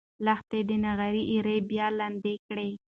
لښتې د نغري ایرې بیا لندې کړې.